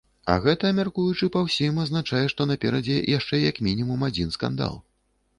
А гэта, мяркуючы па ўсім, азначае, што наперадзе яшчэ як мінімум адзін скандал.